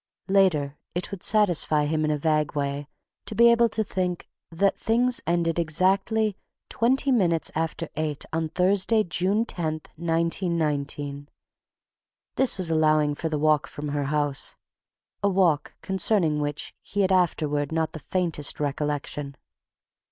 Later it would satisfy him in a vague way to be able to think "that thing ended at exactly twenty minutes after eight on Thursday, June 10, 1919." This was allowing for the walk from her house—a walk concerning which he had afterward not the faintest recollection.